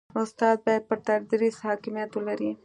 استاد باید پر تدریس حاکمیت ولري.